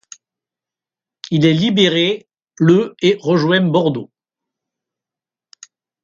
Il est libéré le et rejoint Bordeaux.